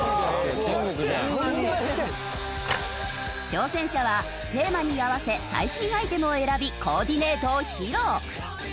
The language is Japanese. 挑戦者はテーマに合わせ最新アイテムを選びコーディネートを披露。